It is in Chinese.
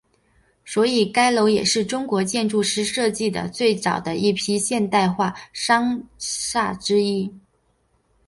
所以该楼也是中国建筑师设计的最早的一批现代化商厦之一。